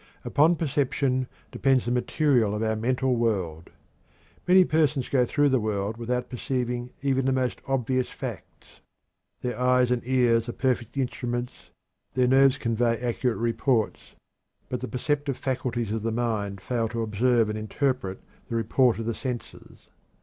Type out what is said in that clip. Upon perception depends the material of our mental world. Many persons go through the world without perceiving even the most obvious facts. Their eyes and ears are perfect instruments, their nerves convey accurate reports, but the perceptive faculties of the mind fail to observe and interpret the report of the senses.